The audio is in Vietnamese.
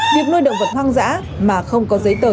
việc nuôi động vật hoang dã mà không có giấy tờ